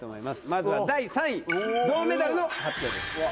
まずは第３位銅メダルの発表です